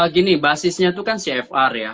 gini basisnya itu kan cfr ya